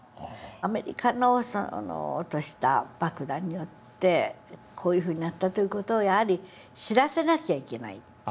アメリカの落とした爆弾によってこういうふうになったという事をやはり知らせなきゃいけないって。